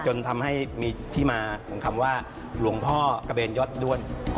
จนทำให้มีที่มาของคำว่าหลวงพ่อกระเบนยอดด้วน